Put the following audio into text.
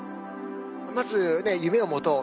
まずね夢を持とう。